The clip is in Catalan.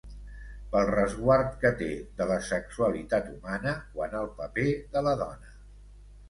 Pel resguard que té de la sexualitat humana quant al paper de la dona